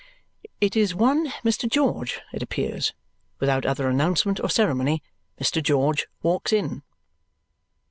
It is one Mr. George, it appears. Without other announcement or ceremony, Mr. George walks in.